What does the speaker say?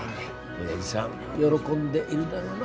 おやじさん喜んでいるだろうな。